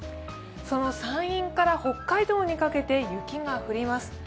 その山陰から北海道にかけて雪が降ります。